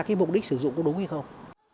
cái mục đích sử dụng có đúng hay không